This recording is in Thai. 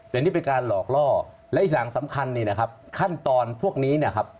แต่นี่เป็นการหลอกล่อและอีกสิ่งสำคัญขั้นตอนพวกนี้